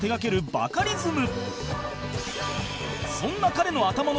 バカリズム